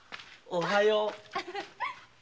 おはよう。